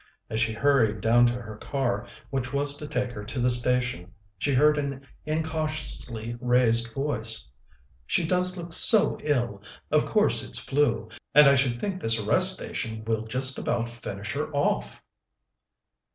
As she hurried down to her car, which was to take her to the station, she heard an incautiously raised voice: "She does look so ill! Of course it's flu, and I should think this rest station will just about finish her off."